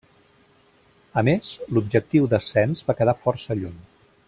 A més, l'objectiu d'ascens va quedar força lluny.